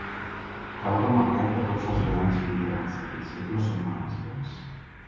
Cal remarcar que tots els grans literats d'aquest segle són valencians.